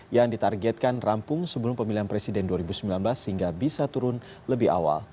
yang ditargetkan rampung sebelum pemilihan presiden dua ribu sembilan belas sehingga bisa turun lebih awal